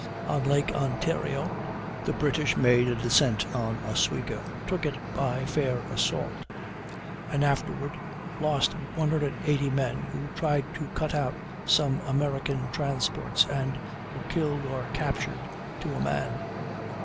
On Lake Ontario the British made a descent on Oswego and took it by fair assault; and afterward lost 180 men who tried to cut out some American transports, and were killed or captured to a man.